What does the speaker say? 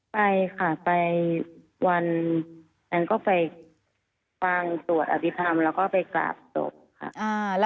ไปค่ะไปวันอันก็ไปฟังสวดอภิษฐรรมแล้วก็ไปกราบศพค่ะ